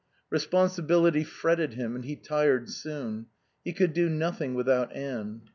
Responsibility fretted him and he tired soon. He could do nothing without Anne.